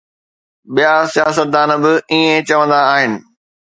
ٻيا سياستدان به ائين چوندا آهن.